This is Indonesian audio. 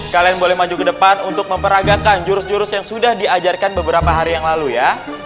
kalian boleh maju ke depan untuk memperagakan jurus jurus yang sudah diajarkan beberapa hari yang lalu ya